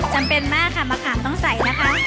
จำเป็นมากค่ะมะขามต้องใส่นะคะ